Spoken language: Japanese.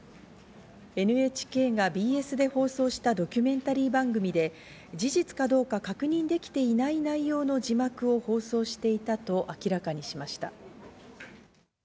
ＮＨＫがＢＳで放送したドキュメンタリー番組で、事実かどうか確認できていない内容の字幕を放送していたと明らかにしました。